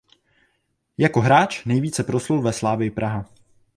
Jako hráč nejvíce proslul ve Slavii Praha.